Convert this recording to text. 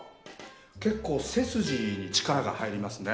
結構背筋に力が入りますね。